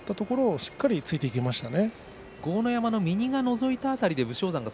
しっかりとついていきましたね